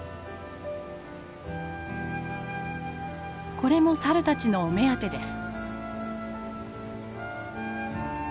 これもサルたちのお目当てです。